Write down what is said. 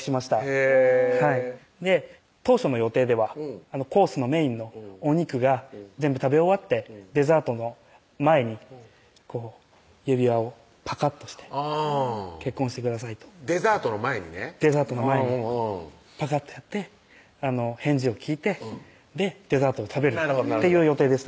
へぇはい当初の予定ではコースのメインのお肉が全部食べ終わってデザートの前にこう指輪をパカッとして「結婚してください」とデザートの前にねデザートの前にパカッとやって返事を聞いてデザートを食べるという予定でした